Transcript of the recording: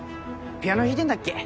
ピアノ弾いてんだっけ？